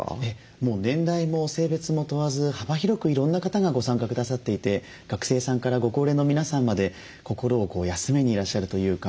もう年代も性別も問わず幅広くいろんな方がご参加くださっていて学生さんからご高齢の皆さんまで心を休めにいらっしゃるというか。